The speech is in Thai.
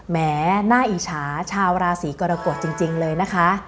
แหมน่าอิจฉาชาวราศีกรกฎจริงเลยนะคะ